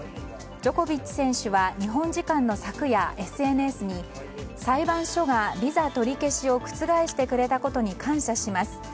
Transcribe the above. ジョコビッチ選手は日本時間の昨夜、ＳＮＳに裁判所がビザ取り消しを覆してくれたことに感謝します。